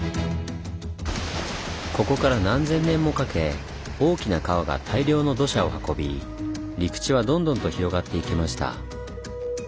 ここから何千年もかけ大きな川が大量の土砂を運び陸地はどんどんと広がっていきました。